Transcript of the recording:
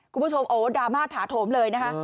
คุณผู้ชมโอ้ดราม่าถาโถมเลยนะคะ